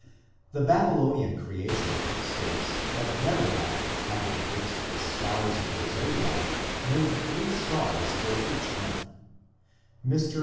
||++ The Babylonian Creation myth states that Merodach, having fixed the stars of the Zodiac, made three stars for each month (p. 147). Mr.